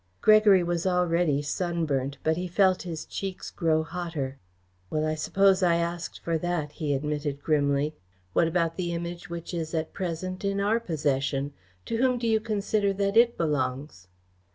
Gregory was already sunburnt, but he felt his cheeks grow hotter. "Well, I suppose I asked for that," he admitted grimly. "What about the Image, which is at present in our possession? To whom do you consider that it belongs?"